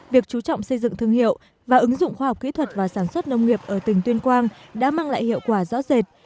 việc chú trọng xây dựng thương hiệu và ứng dụng khoa học kỹ thuật và sản xuất nông nghiệp ở tỉnh tuyên quang đã mang lại hiệu quả rõ rệt